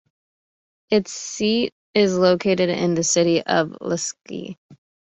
Its seat is located in the city of Lysekil.